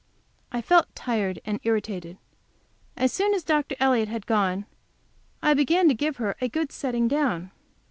I felt tired and irritated. As soon as Dr. Elliott had gone, I began to give her a good setting down.